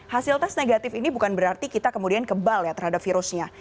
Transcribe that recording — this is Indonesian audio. hasil tes negatif ini bukan berarti kita kemudian kebal ya terhadap virusnya